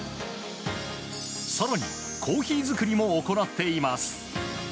更にコーヒー作りも行っています。